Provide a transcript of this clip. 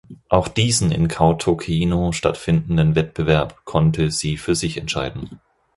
Auch diesen in Kautokeino stattfindenden Wettbewerb konnte sie für sich entscheiden.